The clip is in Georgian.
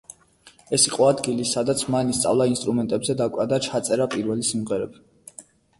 ეს ეს იყო ადგილი, სადაც მან ისწავლა ინსტრუმენტებზე დაკვრა და დაწერა პირველი სიმღერები.